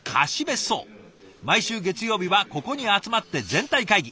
毎週月曜日はここに集まって全体会議。